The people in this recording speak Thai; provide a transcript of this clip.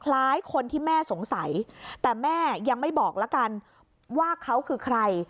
คล้ายคนที่แม่สงสัยแต่แม่ยังไม่บอกแล้วกันว่าเขาคือใคร